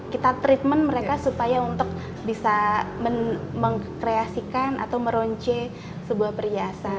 kita treatment mereka supaya untuk bisa mengkreasikan atau meronce sebuah perhiasan